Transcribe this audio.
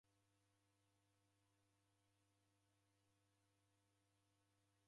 Kuw'itanya w'azima.